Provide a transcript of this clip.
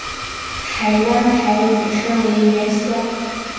台湾台语称为元宵。